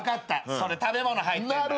それ食べ物入ってる。